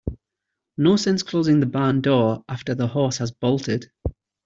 No sense closing the barn door after the horse has bolted.